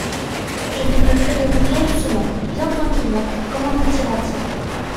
Je vivrai près de vous bien doucement, bien tranquillement, comme un petit rentier.